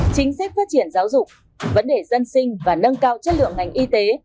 chính sách phát triển giáo dục vấn đề dân sinh và nâng cao chất lượng ngành y tế